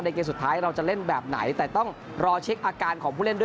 เกมสุดท้ายเราจะเล่นแบบไหนแต่ต้องรอเช็คอาการของผู้เล่นด้วย